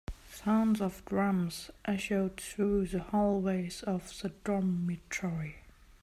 Sounds of drums echoed through the hallways of the dormitory.